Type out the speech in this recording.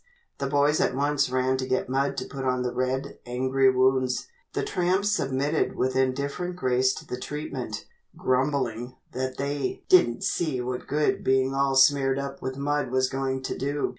The boys at once ran to get mud to put on the red, angry wounds. The tramps submitted with indifferent grace to the treatment, grumbling that they "didn't see what good being all smeared up with mud was going to do."